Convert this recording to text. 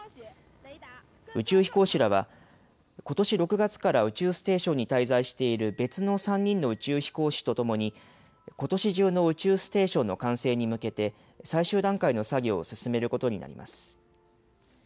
宇宙飛行士らはことし６月から宇宙ステーションに滞在している別の３人の宇宙飛行士とともにことし中の宇宙ステーションの完成に向けて最終段階の作業を進めることになります。